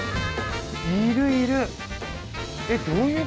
いるいる。